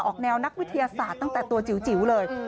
แนวนักวิทยาศาสตร์ตั้งแต่ตัวจิ๋วเลย